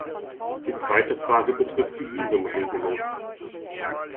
Die zweite Frage betrifft die Visumregelung.